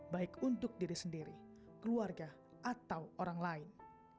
baik untuk diri sendiri keluarga atau orang lain